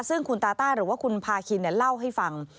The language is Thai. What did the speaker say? ซึ่งคุณตาต้าหรือว่าคุณพาคินเล่าให้ฟัง